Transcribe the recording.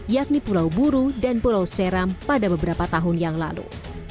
yakni pulau buru dan pulau seram pada beberapa tahun yang lalu